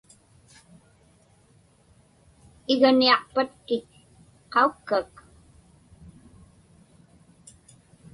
Iganiaqpatkik qaukkak?